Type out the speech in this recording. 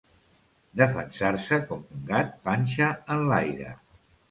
Defensar-se com un gat panxa enlaire.